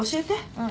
うん。